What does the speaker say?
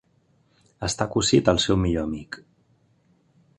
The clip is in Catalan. Està cosit al seu millor amic.